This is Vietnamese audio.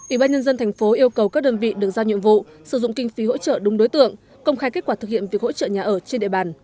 ủy ban nhân dân thành phố yêu cầu các đơn vị được giao nhiệm vụ sử dụng kinh phí hỗ trợ đúng đối tượng công khai kết quả thực hiện việc hỗ trợ nhà ở trên địa bàn